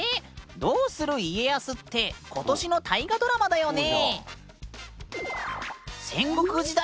「どうする家康」って今年の大河ドラマだよね？